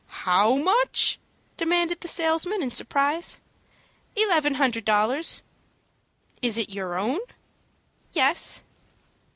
"How much?" demanded the salesman, in surprise. "Eleven hundred dollars." "Is it your own?" "Yes."